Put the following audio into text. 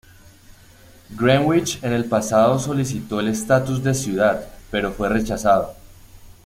Greenwich en el pasado solicitó el estatus de ciudad, pero fue rechazado.